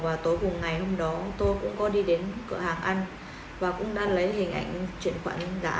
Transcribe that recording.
và tối cùng ngày hôm đó tôi cũng có đi đến cửa hàng ăn và cũng đã lấy hình ảnh chuyển khoản giả